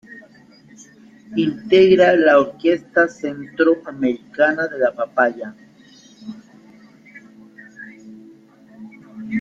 Integra la Orquesta Centroamericana de la Papaya.